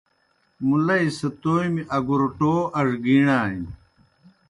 مُلئی سہ تومیْ اگُوْرٹوٗ اڙگِیݨانیْ۔